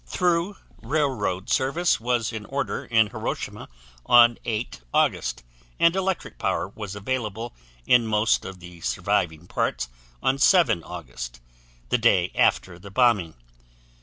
Through railroad service was in order in Hiroshima on 8 August, and electric power was available in most of the surviving parts on 7 August, the day after the bombing.